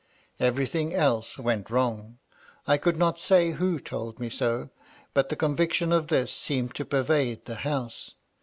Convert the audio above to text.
Everything else went wrong. I could not say who told me so — but the conviction of this seemed to pervade the house.